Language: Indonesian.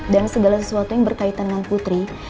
dan segala sesuatu yang berkaitan dengan putri